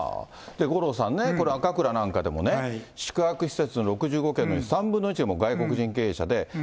五郎さんね、これ、赤倉なんかでも、宿泊施設の６５軒のうち３分の１がもう外国人経営者で。